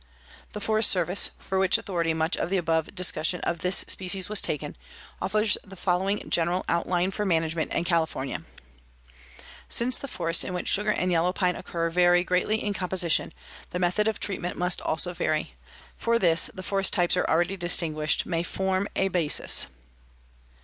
The Forest Service, for which authority much of the above discussion of this species was taken, offers the following general outline for management in California: "Since the forests in which sugar and yellow pine occur vary greatly in composition, the method of treatment must also vary. For this the forest types already distinguished may form a basis.